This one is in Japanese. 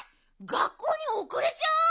学校におくれちゃう！